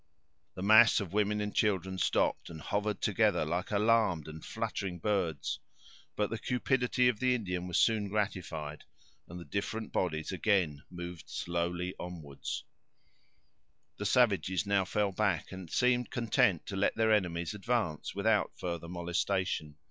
The mass of women and children stopped, and hovered together like alarmed and fluttering birds. But the cupidity of the Indian was soon gratified, and the different bodies again moved slowly onward. The savages now fell back, and seemed content to let their enemies advance without further molestation.